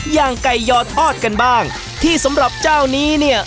อย่างไก่ยอทอดกันบ้างที่สำหรับเจ้านี้เนี่ย